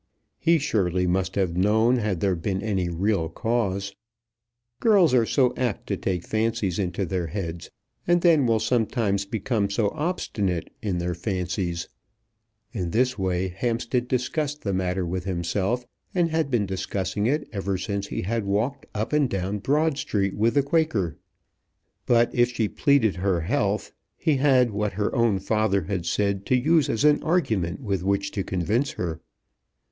He surely must have known had there been any real cause. Girls are so apt to take fancies into their heads, and then will sometimes become so obstinate in their fancies! In this way Hampstead discussed the matter with himself, and had been discussing it ever since he had walked up and down Broad Street with the Quaker. But if she pleaded her health, he had what her own father had said to use as an argument with which to convince her.